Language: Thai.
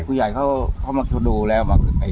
บ๊วยผู้ใหญ่เข้ามาดูแล้ว